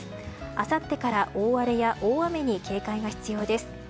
あさってから大荒れや大雨に警戒が必要です。